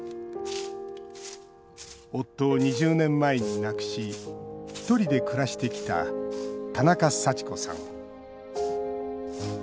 夫を２０年前に亡くしひとりで暮らしてきた田中幸子さん